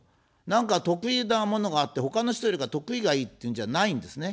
なんか得意なものがあって、他の人よりか得意がいいっていうんじゃないですね。